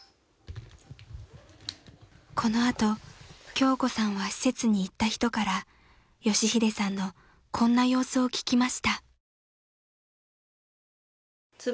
［この後京子さんは施設に行った人から佳秀さんのこんな様子を聞きました］